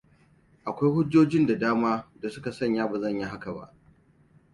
Akwai hujjojin da dama da suka sanya ba zan yi haka ba.